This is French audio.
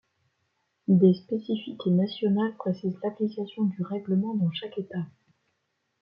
Des spécificités nationales précisent l'application du règlement dans chaque État.